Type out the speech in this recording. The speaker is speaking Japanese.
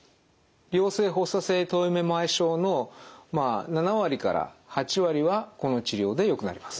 良性発作性頭位めまい症の７割から８割はこの治療でよくなります。